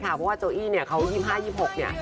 เพราะว่าโจอี้เนี่ยเขา๒๕๒๖เนี่ย